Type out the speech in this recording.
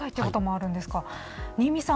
新見さん